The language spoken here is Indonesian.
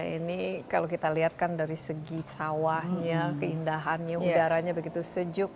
ini kalau kita lihat kan dari segi sawahnya keindahannya udaranya begitu sejuk